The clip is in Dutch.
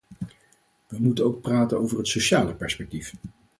We moeten ook praten over het sociale perspectief.